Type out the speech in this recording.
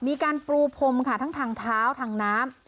มีการปลูกพรมทางเท้าทางน้ำ